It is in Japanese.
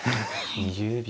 ２０秒。